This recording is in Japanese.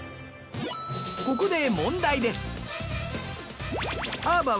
ここで問題です。